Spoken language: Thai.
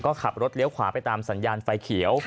ก็ขับรถเลี้ยวขวาไปตามสัญญาณไฟเขียว